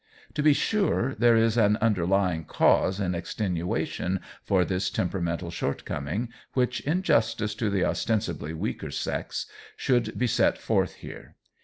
To be sure there is an underlying cause in extenuation for this temperamental shortcoming which in justice to the ostensibly weaker sex should be set forth here.